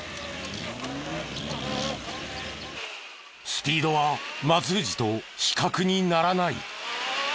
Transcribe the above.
スピードは松藤と比較にならない。